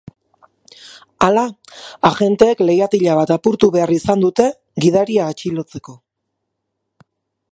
Hala, agenteek leihatila bat apurtu behar izan dute gidaria atxilotzeko.